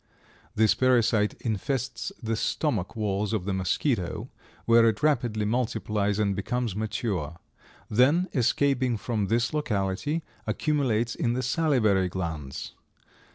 This parasite infests the stomach walls of the mosquito, where it rapidly multiplies and becomes mature; then escaping from this locality, accumulates in the salivary glands.